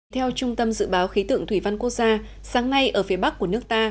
theo trung tâm dự báo khí tượng thủy văn quốc gia sáng nay ở phía bắc của nước ta